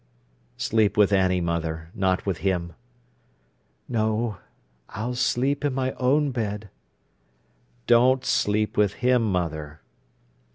"Sleep with Annie, mother, not with him." "No. I'll sleep in my own bed." "Don't sleep with him, mother."